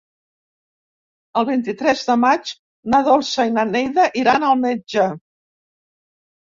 El vint-i-tres de maig na Dolça i na Neida iran al metge.